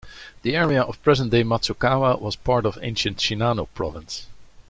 The area of present-day Matsukawa was part of ancient Shinano Province.